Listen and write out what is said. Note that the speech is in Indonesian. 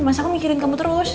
masa aku mikirin kamu terus